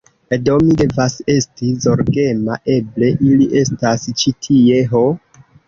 Do mi devas esti zorgema. Eble ili estas ĉi tie! Ho!